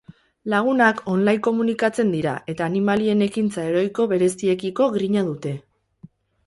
Lagunak online komunikatzen dira eta animalien ekintza heroiko bereziekiko grina dute.